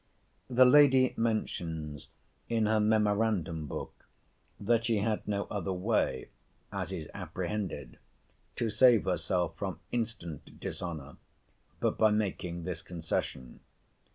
* The Lady mentions, in her memorandum book, that she had no other way, as is apprehended, to save herself from instant dishonour, but by making this concession.